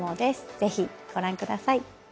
ぜひご覧ください。